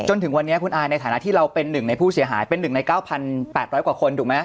จนถึงวันนี้คุณอายในฐานะที่เราเป็นหนึ่งในผู้เสียหายเป็น๑ใน๙๘๐๐กว่าคนถูกไหม